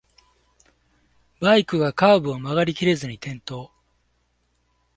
バイクがカーブを曲がりきれずに転倒